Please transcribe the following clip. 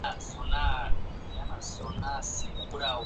Bajo los brazos se encuentra la boca, en forma de pico.